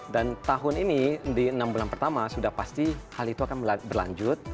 dan tahun ini di enam bulan pertama sudah pasti hal itu akan berlanjut